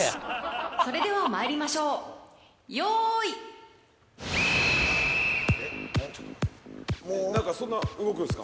それではまいりましょう用意・何かそんな動くんすか？